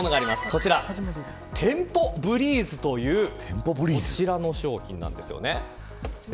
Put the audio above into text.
こちらテンポブリーズというこちらの商品です。